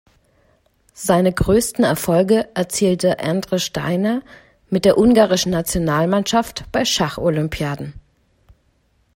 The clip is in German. Seine größten Erfolge erzielte Endre Steiner mit der ungarischen Nationalmannschaft bei Schacholympiaden.